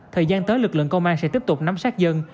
thời gian tới lực lượng công an sẽ tiếp tục nắm sát dân